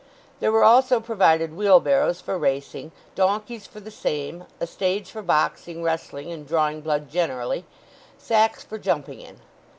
There were also provided wheelbarrows for racing, donkeys for the same, a stage for boxing, wrestling, and drawing blood generally; sacks for jumping in.